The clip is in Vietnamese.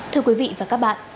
thưa quý vị và các bạn